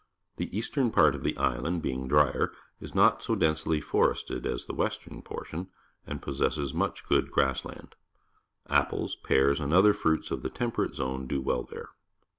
The eastern part of the island, being drier, is not so densely forested as the west ern portion and possesses much good grass land. Apples, pears, and other fruits of the Temperate Zone do well there.